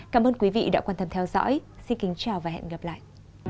xin kính chào và hẹn gặp lại